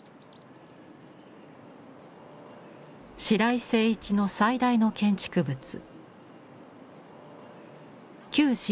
白井晟一の最大の建築物。